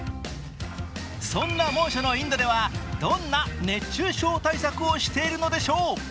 そんな猛暑のインドではどんな熱中症対策をしているのでしょう。